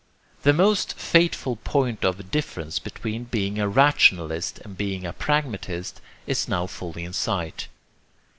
The most fateful point of difference between being a rationalist and being a pragmatist is now fully in sight.